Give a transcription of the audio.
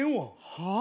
はあ？